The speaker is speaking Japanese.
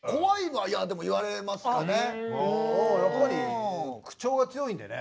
やっぱり口調が強いんでね。